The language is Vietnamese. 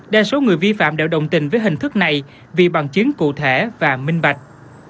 đa số người vi phạm đều đồng tình với hình thức này vì bằng chứng cụ thể và minh bạch